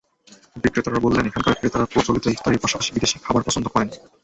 বিক্রেতারা বললেন, এখানকার ক্রেতারা প্রচলিত ইফতারির পাশাপাশি বিদেশি খাবার পছন্দ করেন।